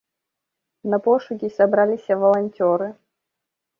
На пошукі сабраліся валанцёры.